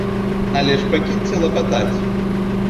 Але ж пакіньце лапатаць!